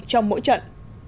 trong mỗi trận